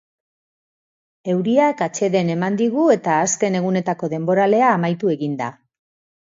Euriak atseden eman digu eta azken egunetako denboralea amaitu egin da.